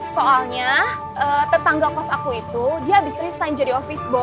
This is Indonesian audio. soalnya tetangga kos aku itu dia abis abis tanya jadi office boy